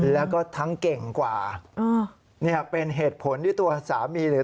แล้วก็ทั้งเก่งกว่าเนี่ยเป็นเหตุผลที่ตัวสามีหรือ